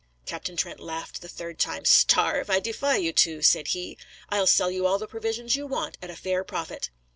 Captain Trent laughed the third time. "Starve? I defy you to," said he. "I'll sell you all the provisions you want at a fair profit."